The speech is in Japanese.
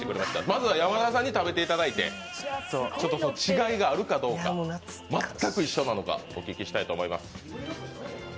まずは山田さんに食べていただいて違いがあるのか全く一緒なのか、お聞きしたいと思います。